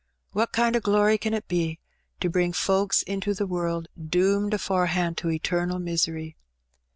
What kind o' glory can it be, to bring folks into the world doomed afore hand to eternal misery?